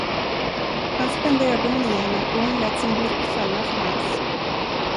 Han spände ögonen i henne, och hon lät sin blick falla för hans.